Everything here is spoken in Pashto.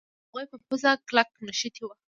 هغوی په پوزه کلک نښتي وو.